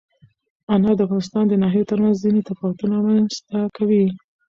انار د افغانستان د ناحیو ترمنځ ځینې تفاوتونه رامنځ ته کوي.